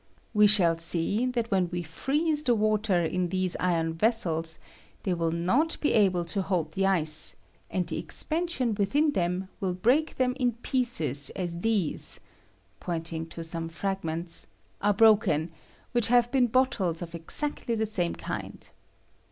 "We shall see that when we freeze the water in these iron vessels, they will not be able to hold the ice, and the expansion within them will break them in pieces as these [pointing to some fragments] are broken, which have been bottles of exactly the same kind.